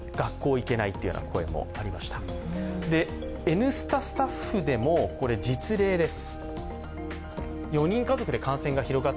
「Ｎスタ」スタッフでも実例です。